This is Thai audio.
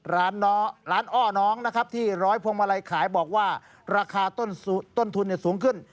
ร้านอ้อน้องนะครับที่ร้อยพวงมาลัยขายบอกว่าราคาต้นทุนสูงขึ้น